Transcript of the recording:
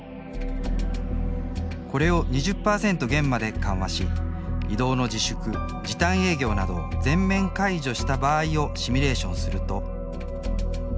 これを２０％減まで緩和し移動の自粛時短営業などを全面解除した場合をシミュレーションすると。